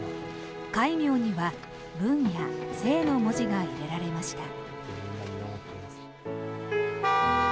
戒名には「文」や「政」の文字が入れられました。